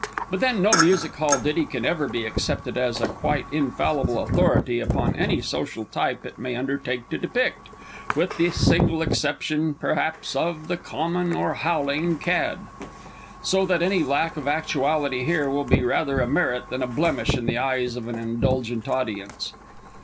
But then no Music hall ditty can ever be accepted as a quite infallible authority upon any social type it may undertake to depict with the single exception, perhaps, of the Common (or Howling) Cad. So that any lack of actuality here will be rather a merit than a blemish in the eyes of an indulgent audience.